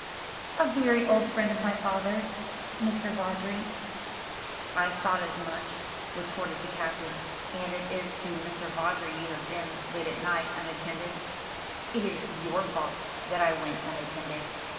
"A very old friend of my father's Mr. Vawdrey." "I thought as much," retorted the Captain. "And it is to Mr. Vawdrey you have been, late at night, unattended?" "It is your fault that I went unattended.